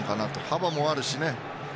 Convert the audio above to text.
幅もあるしね。